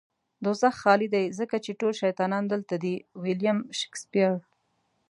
دوزخ خالی دی ځکه چې ټول شيطانان دلته دي. ويلييم شکسپير